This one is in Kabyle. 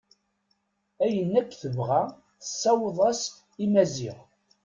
Ayen akk tebɣa tessaweḍ-as-t i Maziɣ.